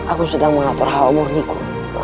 aku sedang mengatur hal murniku